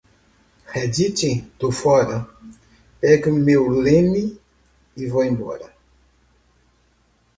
Reddit? Tô fora. Pego meu lemmy e vou embora.